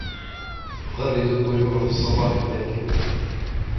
تغرد الطيور في الصباح الباكر.